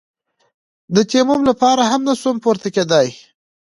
د تيمم لپاره هم نسوم پورته کېداى.